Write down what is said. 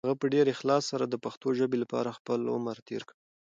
هغه په ډېر اخلاص سره د پښتو ژبې لپاره خپل عمر تېر کړ.